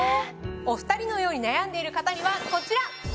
お２人のように悩んでいる方にはこちら！